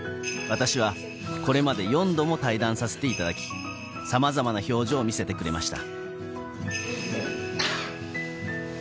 私はこれまで４度も対談させていただき、さまざまな表情を見せていただきました。